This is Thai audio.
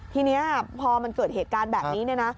ทีนี้พอมันเกิดเหตุการณ์แบบนี้เนี่ยนะ